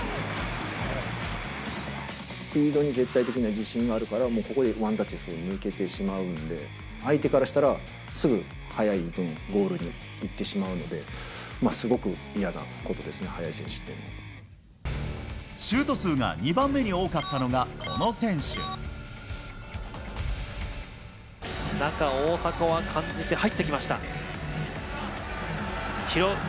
スピードに絶対的な自信があるから、ここでワンタッチですぐに抜けてしまうんで、相手からしたら、すぐゴールにいってしまうので、すごく嫌なことですね、速い選手シュート数が２番目に多かっ中、大迫は感じて入ってきました。